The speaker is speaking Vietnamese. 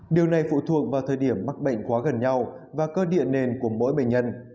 điều này phụ thuộc vào thời điểm mắc bệnh quá gần nhau và cơ địa nền của mỗi bệnh nhân